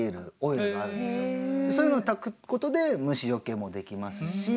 そういうのを焚くことで虫よけもできますし。